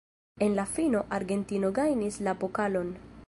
En la fino, Argentino gajnis la pokalon.